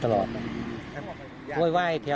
ตุ๊กค่ะย่านอยู่